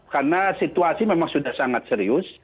karena situasi memang sudah sangat serius